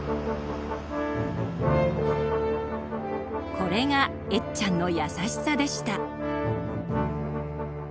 これがエッちゃんの優しさでした。